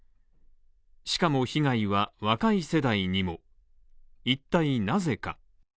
しかも被害は若い世代にも一体なぜか。